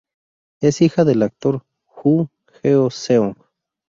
Es hija del actor Ju Heo-seong.